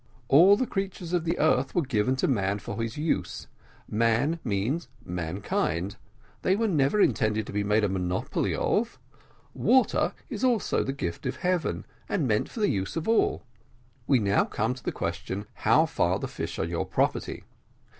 All the creatures of the earth were given to man for his use man means mankind they were never intended to be made a monopoly of. Water is also the gift of heaven, and meant for the use of all. We now come to the question how far the fish are your property.